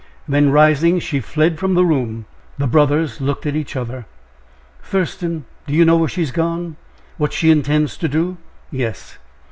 Then rising, she fled from the room. The brothers looked at each other. "Thurston, do you know where she has gone? what she intends to do?" "Yes."